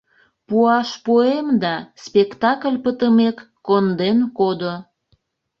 Пуаш пуэм да, спектакль пытымек, конден кодо.